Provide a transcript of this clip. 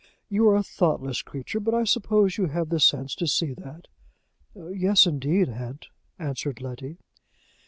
You are a thoughtless creature, but I suppose you have the sense to see that?" "Yes, indeed, aunt," answered Letty.